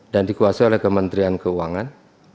dan dikuasai oleh kementerian keuangan